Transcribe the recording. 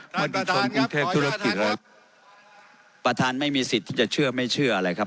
ท่านประธานครับประธานไม่มีสิทธิ์จะเชื่อไม่เชื่ออะไรครับ